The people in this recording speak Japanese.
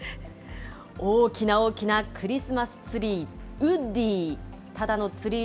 大きな大きなクリスマスツリー、ウッディー。